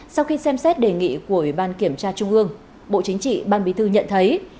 sau khi xem xét đề nghị của ủy ban kiểm tra trung ương bộ chính trị ban bí thư nhận thấy